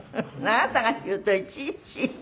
あなたが言うといちいち。